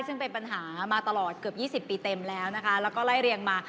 ซึ่งเป็นปัญหามาตลอดเกือบ๒๐ปีเต็มแล้วนะคะแล้วก็ไล่เรียงมา